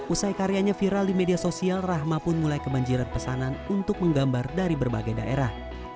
usai karyanya viral di media sosial rahma pun mulai kebanjiran pesanan untuk menggambar dari berbagai daerah